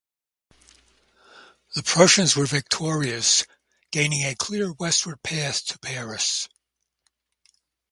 The Prussians were victorious, gaining a clear westward path to Paris.